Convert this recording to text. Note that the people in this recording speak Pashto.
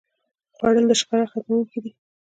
خوړل د شخړې ختموونکی دی